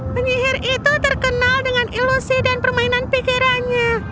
penyihir itu terkenal dengan ilusi dan permainan pikirannya